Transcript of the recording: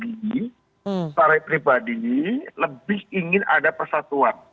saya mencari pribadi lebih ingin ada persatuan